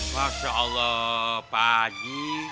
masya allah pak haji